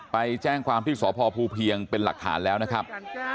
ไปแจ้งความที่สพภูเพียงเป็นหลักฐานแล้วนะครับ